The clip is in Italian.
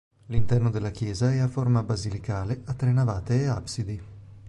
L'interno della chiesa è a forma basilicale a tre navate e absidi.